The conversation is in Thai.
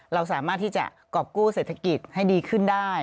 เราสามารถที่จะกรอบกู้เศรษฐกิจให้ดีขึ้นได้